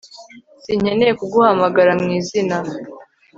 Sinkeneye kuguhamagara mwizina